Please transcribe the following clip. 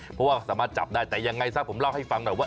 เพราะว่าสามารถจับได้แต่ยังไงซะผมเล่าให้ฟังหน่อยว่า